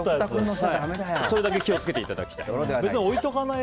それだけ気を付けていただいて。